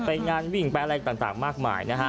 ไปงานวิ่งไปอะไรต่างมากมายนะฮะ